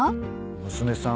娘さん